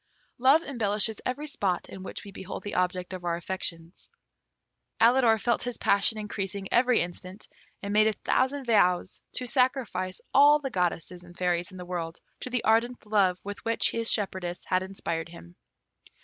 Love embellishes every spot in which we behold the object of our affections. Alidor felt his passion increasing every instant, and made a thousand vows to sacrifice all the goddesses and fairies in the world to the ardent love with which his shepherdess had inspired him.